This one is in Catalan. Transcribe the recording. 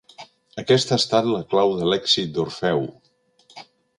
Aquesta ha estat la clau de l'èxit d'Orfeu.